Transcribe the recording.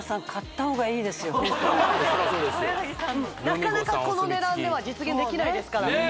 なかなかこの値段では実現できないですからそうね